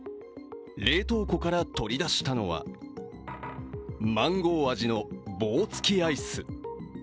冷凍庫から取り出したのはマンゴー味の棒付きアイス。